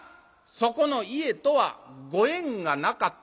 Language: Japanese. そこの家とはご縁がなかったっちゅうの。